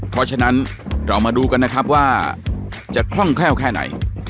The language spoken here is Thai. เพราะฉะนั้นเรามาดูกันนะครับว่าจะคล่องแคล่วแค่ไหน